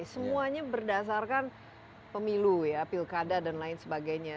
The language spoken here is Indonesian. semuanya berdasarkan pemilu ya pilkada dan lain sebagainya